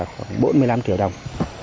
khoảng bốn mươi năm triệu đồng